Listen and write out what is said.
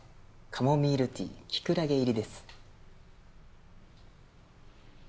カモミールティーキクラゲ入りです。